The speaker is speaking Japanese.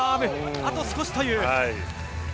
あと少しという。